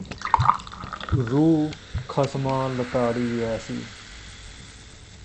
ਰੂਹ ਖਸਮਾਂ ਲਿਤਾੜੀ ਐਸੀ